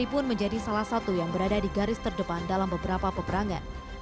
dan juga menjadi salah satu yang berada di garis terdepan dalam beberapa peperangan